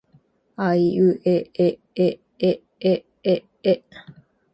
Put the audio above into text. あいうえええええええ